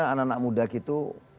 anak anak muda gitu